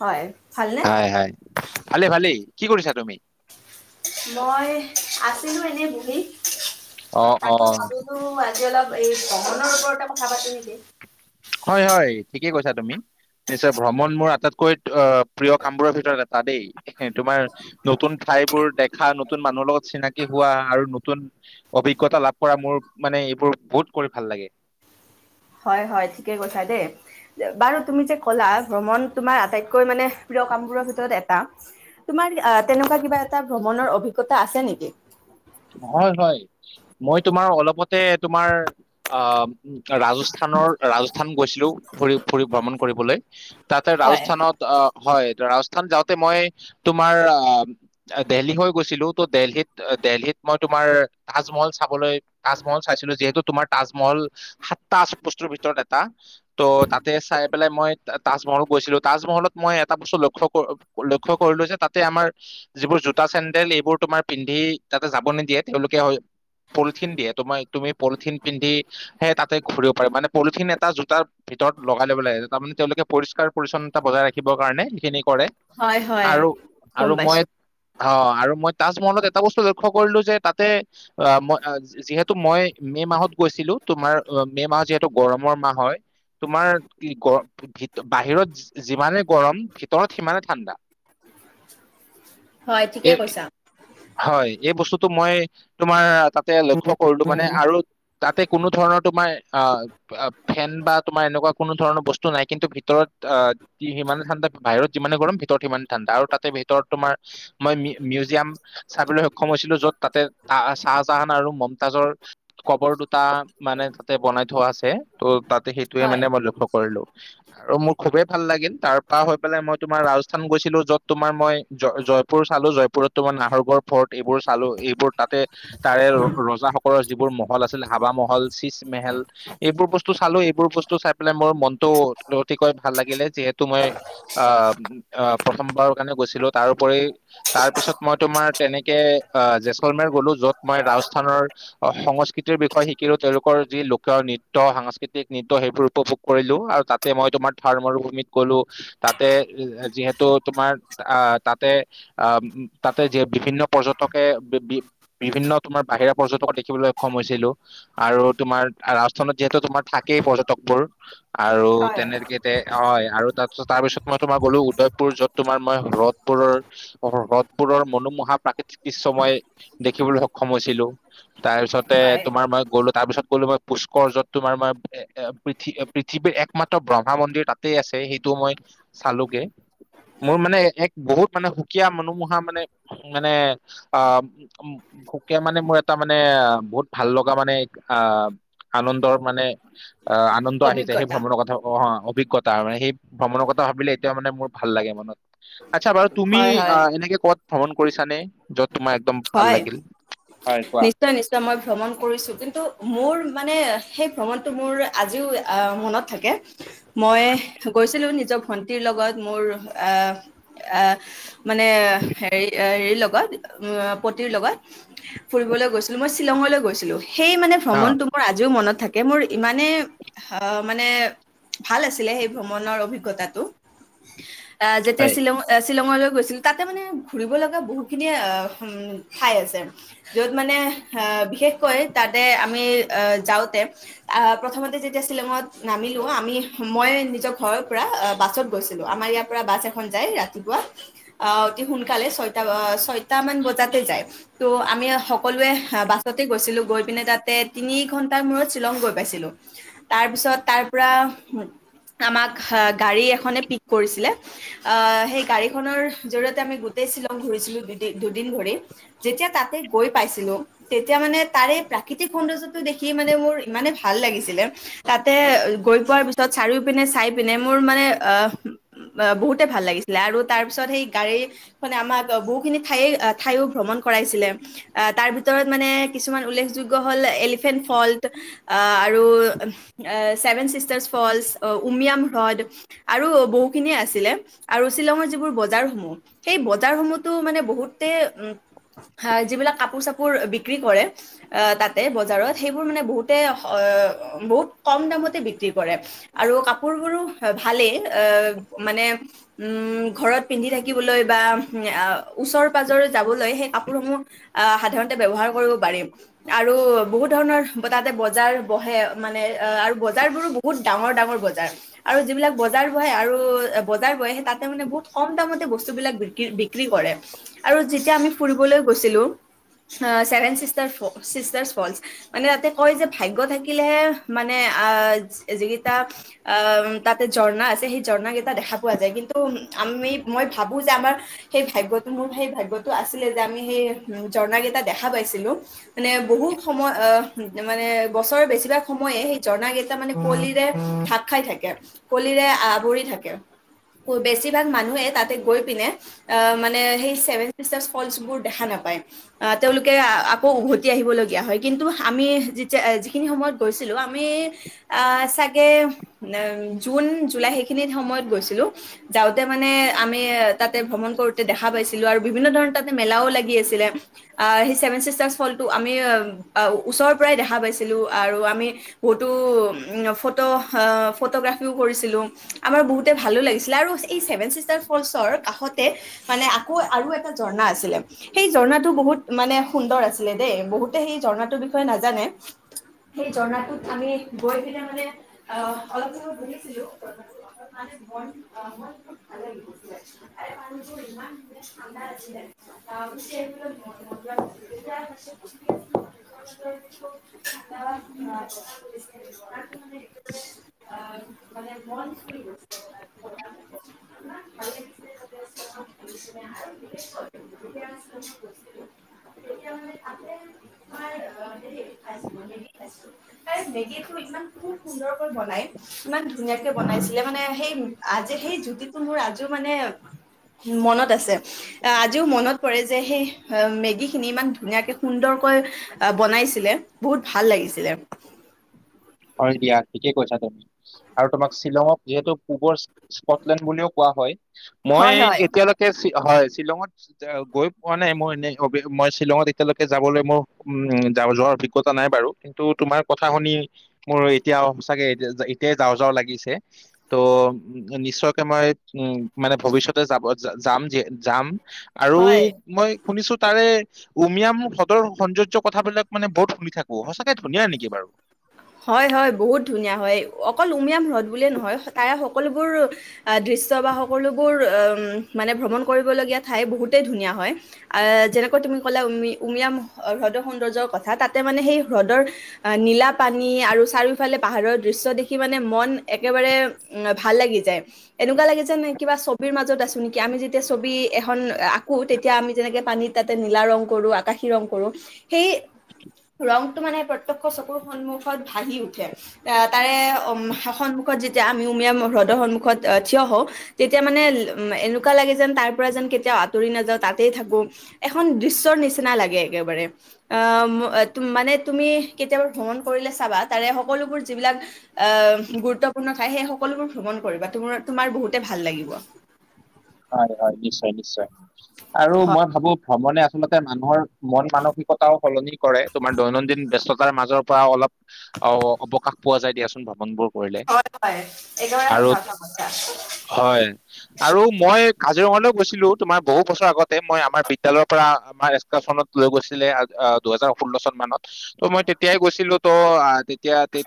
হয় ভালনে হয় হয়, ভালে ভালেই। কি কৰিছা তুমি? মই আছিলোঁ এনেই বহি, অ অ তাকে ভাবিলো টো আজি অলপ এই ভ্ৰমণৰ ওপৰতে কথা পাতোঁ নেকি। হয় হয় ঠিকেই কৈছা তুমি। নিশ্চয় ভ্ৰমণ মোৰ আটাইতকৈ অ' প্ৰিয় কামবোৰৰ ভিতৰত এটা দেই। সেই তোমাৰ নতুন ঠাইবোৰ দেখা, নতুন মানুহৰ লগত চিনাকি হোৱা আৰু নতুন অভিজ্ঞতা লাভ কৰা মোৰ মানে এইবোৰ বহুত কৰি ভাল লাগে। হয় হয়, ঠিকে কৈছা দেই। বাৰু তুমি যে ক'লা ভ্ৰমণ তোমাৰ আটাইতকৈ মানে প্ৰিয় কামবোৰৰ ভিতৰত এটা তোমাৰ আ, তেনেকুৱা কিবা এটা ভ্ৰমণৰ অভিজ্ঞতা আছে নেকি? হয় হয়, মই তোমাৰ অলপতে তোমাৰ আ, ৰাজস্থানৰ ৰাজস্থান গৈছিলোঁ ফুৰি ফুৰি ভ্ৰমণ কৰিবলৈ তাতে হয় ৰাজস্থানত অ' হয় ৰাজস্থান যাওঁতে মই তোমাৰ আ দেলহী হৈ গৈছিলোঁ তো দেলহীত দেলহীত তোমাৰ তাজমহল চাবলৈ তাজমহল চাইছিলোঁ যিহেতু তোমাৰ তাজমহল সাতটা আ, বস্তুৰ ভিতৰত এটা ত' তাতে চাই পেলাই মই তাজমহলত গৈছিলোঁ, তাজমহলত মই এটা বস্তু লক্ষ্য লক্ষ্য ক-কৰিলোঁ যে তাতে আমাৰ যিবোৰ জোতা চেণ্ডেল এইবোৰ তোমাৰ পিন্ধি তাতে যাব নিদিয়ে তেওঁলোকে হয় পলিথিন দিয়ে তোমাক তুমি পলিথিন পিন্ধি সে তাতে ঘূৰিব পাৰি মানে পলিথিন এটা জোতাৰ ভিতৰত লগাই ল'ব লাগে তাৰমানে তেওঁলোকে পৰিষ্কাৰ পৰিচ্ছন্নতা বজাই ৰাখিবৰ কাৰণে সেইখিনি কৰে। হয় হয় আৰু গম আৰু মই পাইছো অ আৰু মই তাজমহলত এটা বস্তু লৈ, ক্ষ কৰিলো যে তাতে আহ মই, আ জ যিহেতু মই মে মাহত গৈছিলো তোমাৰ অ মে' মাহত যিহেতু গৰমৰ মাহ হয়। তোমাৰ কি গ ভিত বাহিৰত যি যিমানে গৰম ভিতৰত সিমানে ঠাণ্ডা। হয় এই ঠিকে কৈছা। হয় এই বস্তুটো মই তোমাৰ তাতে লক্ষ্য কৰিলো মানে আৰু, তাতে কোনো ধৰণৰ তোমাৰ আ আ ফেন বা তোমাৰ এনেকুৱা কোনো ধৰণৰ বস্তু নাই কিন্তু ভিতৰত আহ, হি সিমানে ঠাণ্ডা বাহিৰত যিমানে গৰম ভিতৰত সিমানে ঠাণ্ডা আৰু তাতে ভিতৰত তোমাৰ মই মি মিউজিয়াম! চাবলৈ সক্ষম হৈছিলো য'ত তাতে আহ চাহজাহান আৰু মমতাজৰ, কবৰ দুটা মানে তাতে বনাই থোৱা আছে ত' তাতে সেইটোয়ে হয় মানে মই লক্ষ্য কৰিলো। আৰু মোৰ খুবেই লাগিল তাৰ পা হৈ পেলাই মই তোমাৰ ৰাজস্থান গৈছিলো যত তোমাৰ মই, জ জ পুৰ চালো জয়পুৰত তোমাৰ নাহৰগৰ ফ'ৰ্ট এইবোৰ চালো এইবোৰ তাতে, তাৰে ৰ ৰজাসকলৰ যিবোৰ মহল আছিল হাবা মহল চীজমেহেল। এইবোৰ বস্তু চালো এইবোৰ বস্তু চাই পেলাই মোৰ মনটো অতিকৈ ভাল লাগিলে যিহেতু মই, আম আহ প্ৰথমবাৰৰ কাৰণে গৈছিলো তাৰওপৰি তাৰ পিছত মই, তোমাৰ তেনেকে আহ জেচলমেৰ গ'লো য'ত মই ৰাজস্থানৰ, অ সংস্কৃতিৰ বিষয়ে শিকিলো তেওঁলোকৰ যি লোক নৃত্য সাংস্কৃতিক নৃত্য সেইবোৰ উপভোগ। কৰিলো আৰু তাতে মই তোমাৰ থাৰ্মৰ ভূমিত গলো। তাতে এ এ যিহেতু তোমাৰ আহ তাতে আম উ? তাতে যে বিভিন্ন পৰ্যটকে বে বি বিভিন্ন তোমাৰ বাহিৰা পৰ্যটক দেখিবলৈ সক্ষম হৈছিলো। আৰু তোমাৰ ৰাজস্থানত যিহেতু তোমাৰ থাকেই পৰ্যটকবোৰ আৰু হয় তেনেকে, তে অয় আৰু তাৰিছত তাৰপিছত মই তোমাৰ গ'লো উদয়পুৰ যত তোমাৰ মই হৰদপুৰৰ, হ হ্ৰদবোৰৰ মনোমোহা প্ৰাকৃতিক দৃশ্য মই দেখিবলৈ সক্ষম হৈছিলো। তাৰপিছতে হয় তোমাৰ মই গ'লো তাৰপিছত গ'লো মই পুষ্কৰ যত তোমাৰ মই, এ এ পৃথি পৃথিৱীৰ একমাত্ৰ ব্ৰহ্মা মন্দিৰ তাতেই আছে সেইটো মই চালোগে। মোৰ মানে এক বহুত মানে সুকীয়া মনোমোহা মানে মানে অ! উ শোকে মানে মোৰ এটা মানে আ বহুত ভাল লগা মানে আ! আনন্দৰ মানে আহ আনন্দ আহি যায় সেই অভিজ্ঞতা ভ্ৰমণৰ কথা অ অভিজ্ঞত। তাৰ মানে সেই ভ্ৰমণৰ কথা ভাবিলে এতিয়া মানে মোৰ ভাল লাগে মনত আচ্ছা বাৰু তুমি হয় অ হয় এনেকে, কত ভ্ৰমণ কৰিছাঁ নে য'ত তোমাৰ একদম? ভাল হয় লাগিল হয় কোৱা নিছ। শ্চয় নিশ্চয় মই ভ্ৰমণ কৰিছোঁ কিন্তু মোৰ মানে সেই ভ্ৰমণটো মোৰ আজিও আ মনত? থাকে। মই গৈছিলো নিজৰ ভন্টিৰ লগত মোৰ আহ আহ? মানে হেৰি এৰি লগত, অ পতিৰ লগত ফুৰিবলৈ গৈছিলো মই শ্বিলং লৈ গৈছিলোঁ সেই মানে অ ভ্ৰমনটো মোৰ আজিও মনত থাকে মোৰ ইমানে, হা মানে ভাল আছিলে সেই ভ্ৰমণৰ অভিজ্ঞতাটো। আহ যেতিয়া হয় শ্বিলং শ্বিলঙলৈ গৈছিলো তাতে মানে ঘুৰিব লগা বহুখিনিযয়ে অ, উম খাই আছে। যত মানে আহ বিশেষকৈ তাতে আমি আহ যাওঁতে আহ প্ৰথমতে যেতিয়া শ্বিলঙত নামিলো আমি মই নিজৰ ঘৰৰ পৰা আ বাছত গৈছিলো আমাৰ ইয়াত পৰা বাছ এখন যায় ৰাতিপুৱা আহ অতি সোনকালে ছয়টা ছয়টা মান বজাতে যায় ত' আমি সকলোৱেহ বাছতে গৈছিলো গৈ পিনে তাতে তিনি ঘন্টাৰ মূৰত শ্বিলং গৈ পাইছিলো তাৰ পিছত তাৰ পৰা আমাক গাড়ী এখনে পিক কৰিছিলে। আ সেই গাড়ীখনৰ জৰিয়তে আমি গোটেই শ্বিলং ঘূৰিছিলো দুদি দুদিন ধৰি। যেতিয়া তাতে গৈ পাইছিলো তেতিয়া মানে তাৰে এই প্ৰাকৃতিক সৌন্দৰ্যটো দেখি মানে মোৰ ইমানেই ভাল লাগিছিলে। তাতে গৈ পোৱাৰ পিছত চাৰিও পিনে চাই পিনে মোৰ মানে অ বহুতে ভাল লাগিছিলে আৰু তাৰ পিছত সেই গাড়ীখনে আমাক বহুখিনি ঠাই আ ঠাইও ভ্ৰমণ কৰাইছিলে। আহ তাৰ ভিতৰত মানে কিছুমান উল্লেখযোগ্য হল এলিফেণ্ট ফল্ট। আহ আৰু ছেভেন চিষ্টাৰছ ফলচ, উমিয়াম হ্ৰদ আৰু বহুখিনিয়ে আছিলে আৰু শ্বিলঙৰ যিবোৰ বজাৰসমূহ সেই বজাৰ সমূহতো মানে বহুতে উম হা যিবিলাক কাপোৰ চাপোৰ বিক্ৰী কৰে। আহ তাতে বজাৰত সেইবোৰ মানে বহুতে অ বহুত কম দামতে বিক্ৰী কৰে। আৰু কাপোৰ বোৰো ভালেই আহ মানে উম ঘৰত পিন্ধি থাকিবলৈ বা আ ওচৰ পাজৰে যাবলৈ সেই কাপোৰসমূহ আহ সাধাৰণতে ব্যৱহাৰ কৰিব পাৰিম। আৰু বহুত ধৰণৰ তাতে বজাৰ বহে মানে অ আৰু বজাৰবোৰো ব বহুত ডাঙৰ ডাঙৰ বজাৰ। আৰু যিবিলাক বজাৰ বহে আৰু বজাৰ বহে সেই তাতে মানে বহুত কম দামতে বস্তুবিলাক বিক্ৰী বিক ক্ৰী কৰে আৰু যেতিয়া আমি ফুৰিবলৈ গৈছিলো চেভেন চিষ্টাৰ ফ চিষ্টাৰ ফলচ মানে তাতে কয় যে ভাগ থাকিলেহে মানে আহ যিকেইটা আহ তাতে ঝৰ্ণা আছে সেই ঝৰ্ণা কেইটা দেখা পোৱা যায় কিন্তু আমি মই ভাবো যে আমাৰ সেই ভাগ্যটো মোৰ সেই ভাগ্যটো আছিলে যে আমি সেই ঝৰ্ণা কেইটা দেখা পাইছিলো। মানে বহুত সময় আহ মানে বছৰৰ বেছিভাগ সময়ে সেই ঝৰ্ণা কেইটা মানে কলিৰে ধাক খাই থাকে, কলিৰে আৱৰি থাকে। কৌ বেছিভাগ মানুহে তাতে গৈ পিনে আহ মানে সেই ছেভেন চিষ্টাৰ ফলচবোৰ দেখা নাপায়। আহ তেওঁলোকে আকৌ উভতি আহিবলগীয়া হয় কিন্তু আমি যেতিয়া যিখিনি সময়ত গৈছিলো আমি আহ চাগে জুন জুলাই সেইখিনি সময়ত গৈছিলো। যাওঁতে মানে আমি তাতে ভ্ৰমণ কৰোতে দেখা পাইছ ছিলো আৰু বিভিন্ন ধৰণৰ তাতে মেলাও লাগি আছিলে। আহ সেই ছেভেন চিষ্টাৰ্চ ফলচটো আমি ওচৰৰ পৰাই দেখা পাইছিলো আৰু আমি বহুতো উম ফটো আ ফটোগ্ৰাফিও কৰিছিলো, আমাৰ বহুতে ভালো লাগিছিলে আৰু এই চছেভেন চিষ্টাৰ ফলচৰ কাষতে মানে আকৌ আৰু এটা ঝৰ্ণা আছিলে। সেই ঝৰ্ণাটো বহুত মানে সুন্দৰ আছিলে দেই বহুতে সেই ঝৰ্ণাটোৰ বিষয়ে নাজানে। সেই ঝৰ্ণাটোত আমি গৈ পিনে মানে অ অলপ সময় বহিছিলো। মানে মন আ ভাল লাগি গৈছিলে, [unintelligible] [unintelligible] আহ মানে মন চুই গৈছিলে [unintelligible] [unintelligible] তেতিয়া মানে তাতে তোমাৰ [unintelligible] সে মেগীটো ইমান খুব সুন্দৰকৈ বনাই ইমান ধুনীয়াকে বনাইছিলে মানে সেই আজি সেই জুতিটো মোৰ আজিও মানে মনত ত আছে, আজিও মনত পৰে যে সেই মেগী খিনি ইমান ধুনীয়াকে সুন্দৰকৈ আঁহ বনাইছিলে বহুত ভাল লাগিছিলে। হয় দিয়া থিকে কৈছা তুমি। আৰু তোমাক শ্বিলঙক যিহেতু পূবৰ স্কটলেণ্ড বুলিও কোৱা হয়, মই হয় হয় এতিয়া লৈকে হয় শ্বিলঙত গৈ পোৱা নাই মোৰ‌ এনেই মই শ্বিলঙত এতিয়ালৈকে যাবলৈ মোৰ উ যোৱাৰ অভিজ্ঞতা নাই বাৰু। কিন্তু তোমাৰ কথা শুনি, মোৰ এতিয়া সঁচাকে এতিয়াই যাওঁ যাওঁ লাগিছে। তো নিশ্চয়কে মই উ মানে ভৱিষ্যতে যাব যাম যাম। আৰু হয় মই শুনিছো তাৰে উমিয়াম মোৰ হ্ৰদৰ সৌন্দৰ্য কথাবিলাক মানে বহুত শুনি থাকোঁ, সঁচাকে ধুনীয়া নেকি বাৰু? হয় হয় বহুত ধুনীয়া হয়, অকল উমিয়াম হ্ৰদ বুলিয়ে নহয় তাৰে সকলোবোৰ আঁহ দৃশ্য বা সকলোবোৰ উ মানে ভ্ৰমণ, কৰিবলগীয়া ঠাই বহুতেই ধুনীয়া হয়। আঁহ যেনেকৈ তুমি কলা উমি উমীয়াম হ্ৰদৰ সৌন্দৰ্যৰ কথা, তাতে মানে সেই হ্ৰদৰ অঁ নীলা পানী আৰু চাৰিওফালে পাহাৰৰ দৃশ্য দেখি মানে মন একেবাৰে ভাল লাগি যায়। এনেকুৱা লাগে যেন কিবা ছবিৰ মাজত আছো নেকি, আমি যেতিয়া ছবি এখন আঁকো তেতিয়া আমি যেনেকে পানীত তাতে নীলা ৰং কৰো, আকাশী ৰং কৰো সেই ৰংটো মানে প্ৰতক্ষ চকুৰ সন্মুখত ভাঁহি উঠে। আঁহ তাৰে সন্মুখত যেতিয়া আমি উমীয়াম হ্ৰদৰ সন্মুখত আহ থিয় হওঁ। তেতিয়া মানে উম এনেকুৱা লাগে যেন, তাৰ পৰা যেন কেতিয়াও আঁতৰি নাযাওঁ তাতেই থাকো। এখন দৃশ্যৰ নিচিনা লাগে একেবাৰে আঁহ মানে তুমি কেতিয়াবা ভ্ৰমণ কৰিলে চাবা, তাৰে সকলোবোৰ যিবিলাক আঁহ গুৰুত্বপূৰ্ণ ঠাই সেই সকলোবোৰ ভ্ৰমণ কৰিবা, তোমৰ তোমাৰ বহুতে ভাল লাগিব। হয়‌ হয় নিশ্চয় নিশ্চয়। আৰু হয় মই ভাবো ভ্ৰমণে, আচলতে মানুহৰ মন মানসিকতাৰো সলনি কৰে তোমাৰ দৈনন্দিন ব্যস্ততাৰ মাজৰ পৰা অলপ অৱকাশ পোৱা যায়, দিয়াচোন ভ্ৰমণবোৰ। কৰিলে হয় হয়, একেবাৰে আৰু সঁচা কথা কৈছা। হয় আৰু। মই কাজিৰঙালৈ গৈছিলো, তোমাৰ বহু বছৰ আগতে মই আমাৰ বিদ্যালয়ৰ পৰা আমাৰ এক্সকাৰচনত লৈ গৈছিলে দুহেজাৰ ষোল্ল চন মানত, ত মই তেতিয়াই গৈছিলো ত এতিয়া তে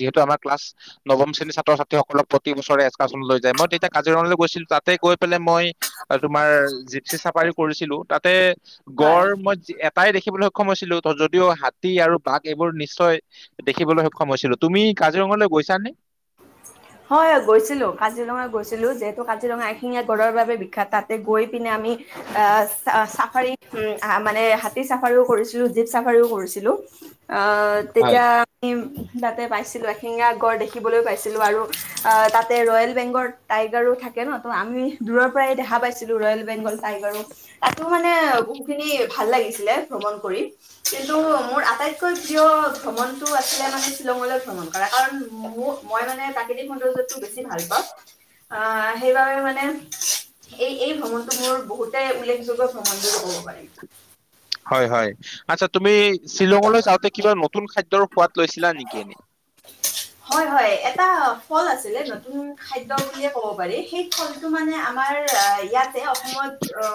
যিহেতু আমাৰ ক্লাছ নৱম শ্ৰেণীৰ ছাত্ৰ ছাত্ৰীসকলক প্ৰতি বছৰে এ্কাশছনত লৈ যায়, মই তেতিয়া কাজিৰঙালৈ গৈছিলো তাতে গৈ পেলাই মই তোমাৰ জিপচি চাফাৰী কৰিছিলো। তাতে হয় গড় মই এটাই দেখিবলৈ সক্ষম হৈছিলো যদিও হাতী আৰু বাঘ এইবোৰ নিশ্চয় দেখিবলৈ সক্ষম হৈছিলো। তুমি কাজিৰঙালৈ গৈছানে? হয়, গৈছিলোঁ কাজিৰঙা গৈছিলোঁ, যিহেতু কাজিৰঙা এঠেঙীয়া গড়ৰ বাবে বিখ্যাত তাতে গৈ পিনে আমি আঁহ চ চাফাৰী মানে হাতী চাফাৰীও, কৰিছিলো জীপ চাফাৰীও কৰিছিলো। অঁ হয় তেতিয়া আমি তাতে পাইছিলো এঠেঙীয়া গড় দেখিবলৈ পাই ছিলো আৰু অঁ তাতে ৰয়েল বেংগৰ টাইগাৰো থাকে ন, ত আমি দূৰ পৰাই দেখা পাই ছিলোঁ ৰয়েল বেংগল টাইগাৰো তাতো মানে বহুত খিনি ভাল লাগিছিলে ভ্ৰমণ কৰি। কিন্তু মোৰ আটাইতকৈ প্ৰিয় ভ্ৰমণটো আছিলে, মানে শ্বিলঙলৈ ভ্ৰমণ কৰা কাৰণ মোক মই মানে প্ৰাকৃতিক সৌন্দৰ্যতটো বেছি ভাল পাওঁ, আঁহ সেইবাবে মানে এই এই ভ্ৰমণটো মোৰ বহুতে উল্লেখযোগ্য সময় যে ক'ব পাৰিম। হয়, হয় আচ্ছা তুমি, শ্বিলঙলৈ যাওঁতে কিবা নতুন খাদ্যৰ সোৱাদ লৈছিলা নেকি এনেই? হয়, হয় এটা ফল আছিলে নতুন খাদ্য বুলিয়ে ক'ব পাৰি সেই? ফলটো মানে আমাৰ ইয়াতে অসমত অ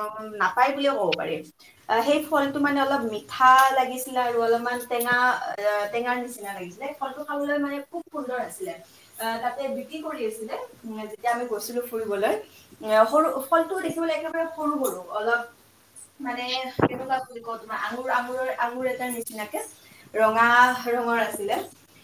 নাপায় বুলিয়ে ক'ব পাৰি। সেই ফলটো মানে অলপ মিঠা লাগিছিলে আৰু অলপমান টেঙা অ টেঙাৰ নিচিনা লাগিছিলে। ফলটো খাবলৈ মানে খুব সুন্দৰ আছিলে। আহ তাতে বিক্ৰী কৰি আছিলে যেতিয়া আমি গৈছিলো ফুৰিবলৈ। এ সৰু ফলটো দেখিবলৈ একেবাৰে সৰু সৰু অলপ মানে কেনেকুৱা বুলি কওঁ তোমাৰ আঙুৰ আঙুৰৰ আঙুৰ এটাৰ নিচিনাকে ৰঙা ৰঙৰ আছিলে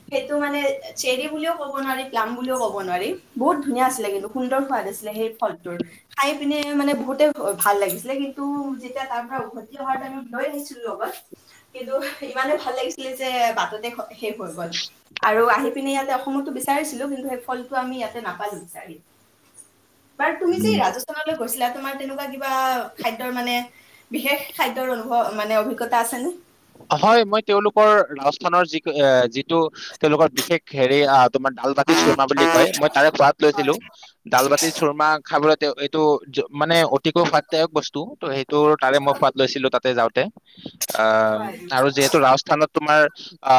সেইটো মানে চেৰি বুলিও ক'ব নোৱাৰি প্লাম বুলিও ক'ব নোৱাৰি বহুত ধুনীয়া আছিলে কিন্তু সুন্দৰ সোৱাদ আছিলে সেই ফলটোৰ। খাই পিনে মানে বহুতে ভাল লাগিছিলে কিন্তু যেতিয়া তাৰ পৰা উভতি অহাৰ টাইমত লৈ আহিছিলো লগত। কিন্তু ইমানে ভাল লাগিছিলেই যে বাটতে শেষ হৈ গল আৰু আহি। পিনে ইয়াতে অসমতো বিচাৰিছিলো কিন্তু সেই ফলটো আমি ইয়াতে নাপালোঁ বিচাৰি। বাৰু তুমি যে উম, ৰাজস্থানলৈ গৈছিলা তোমাৰ তেনেকুৱা কিবা খাদ্যৰ মানে বিশেষ খাদ্যৰ অনুভৱ মানে অভিজ্ঞতা আছেনে? হয় মই তেওঁলোকৰ ৰাজস্থানৰ যি এ যিটো। তেওঁলোকৰ বিশেষ হেৰি তোমাৰ দাল বাতি চুৰমা বুলি কয় মই তাৰে সোৱাদ হয় লৈছিলোঁ। দাল বাতি চুৰমা খাবলৈ এইটো মানে অতিকৈ সোৱাদ দায়ক বস্তু ত সেই টোৰ তাৰে মই সোৱাদ লৈছিলোঁ তাতে যাওঁতে আহ। হয় আৰু যিহেতু ৰাজস্থানত তোমাৰ অ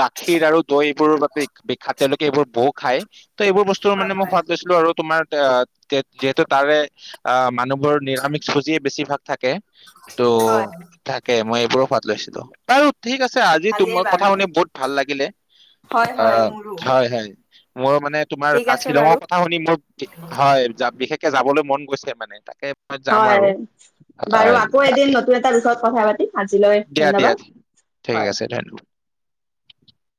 গাখীৰ আৰু দৈ এইবোৰৰ বাবে বিখ্যাত তেওঁলোকে এইবোৰ বহু খায়। ত এইবোৰ বস্তুৰ হয় মানে মই হয় সোৱাদ লৈছিলোঁ আৰু তোমাৰ আহ তেত যিহেতু তাৰে আহ মানুহ। এইবোৰ নিৰামিষ ভোজিয়ে বেছি ভাগ থাকে ত হয় থাকে মই এইবোৰো সোৱাদ লৈছিলোঁ। বাৰু ঠিক আছে আজি ভালেই তোমাৰ কথা বাৰু শুনি বহুত ভাল লাগিলে। হয় অ হয় মোৰো হয় হয় মোৰ মানে তোমাৰ ঠিক কাজ আছে শ্বিলংৰ কথা বাৰু কথা শুনি মোৰ হয় বিশেষকে যাবলৈ মন গৈছে মানে তাকেই হয় বাৰু আকৌ তাকে এদিন নতুন এটা বিষয়ত কথা পাতিম। আজিলৈ দিয়া দিয়া ধন্যবাদ ঠিক হয়। আছে ধন্যবাদ